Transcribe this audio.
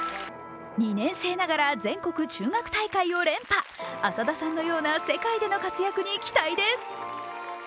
２年生ながら全国中学校大会を連覇浅田さんのような世界での活躍に期待です。